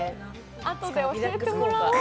あとで教えてもらおう。